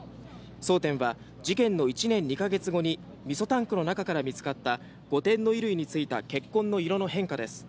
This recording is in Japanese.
争点は事件の１年２か月後にみそタンクの中から見つかった５点の衣類についた血痕の色の変化です。